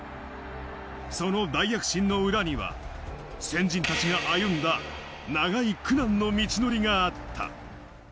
その大躍進の裏には先人たちが歩んだ長い苦難の道のりがあった。